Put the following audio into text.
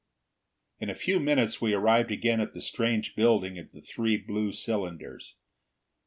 In a few minutes we arrived again at the strange building of the three blue cylinders.